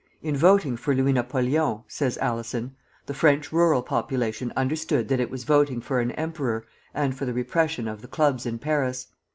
"In voting for Louis Napoleon," says Alison, "the French rural population understood that it was voting for an emperor and for the repression of the clubs in Paris.